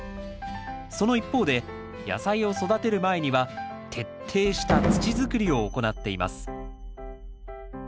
その一方で野菜を育てる前には徹底した土づくりを行っています